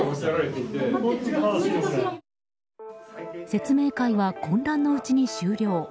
説明会は混乱のうちに終了。